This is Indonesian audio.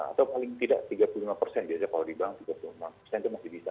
atau paling tidak tiga puluh lima biasa kalau di bank tiga puluh lima itu masih bisa